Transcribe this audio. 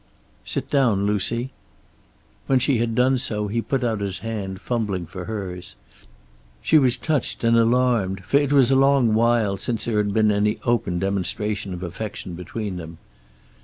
"Sit down, Lucy." When she had done so he put out his hand, fumbling for hers. She was touched and alarmed, for it was a long while since there had been any open demonstration of affection between them.